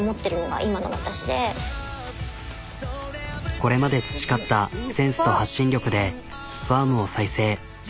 これまで培ったセンスと発信力でファームを再生。